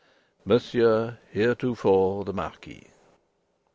"MONSIEUR HERETOFORE THE MARQUIS.